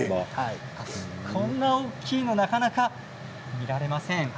こんな大きいものなかなか見られません。